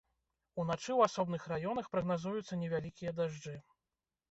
Уначы ў асобных раёнах прагназуюцца невялікія дажджы.